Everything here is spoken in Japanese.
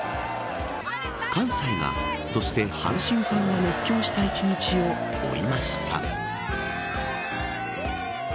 関西が、そして阪神ファンが熱狂した１日を追いました。